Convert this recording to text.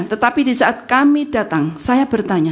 tetapi di saat kami datang saya bertanya